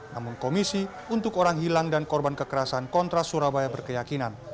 namun komisi untuk orang hilang dan korban kekerasan kontras surabaya berkeyakinan